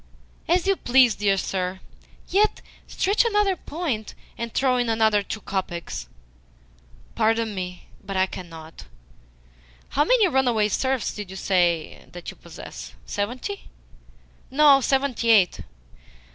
"As you please, dear sir. Yet stretch another point, and throw in another two kopecks." "Pardon me, but I cannot. How many runaway serfs did you say that you possess? Seventy?" "No; seventy eight."